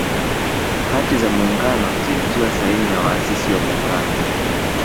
Hati za Muungano zilitiwa saini na waasisi wa Muungano